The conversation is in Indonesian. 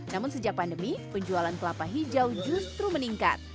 namun sejak pandemi penjualan kelapa hijau justru meningkat